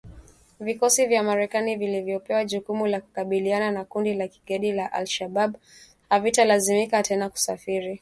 Vikosi vya Marekani vilivyopewa jukumu la kukabiliana na kundi la kigaidi la al-Shabab havitalazimika tena kusafiri hadi Somalia kutoka nchi jirani.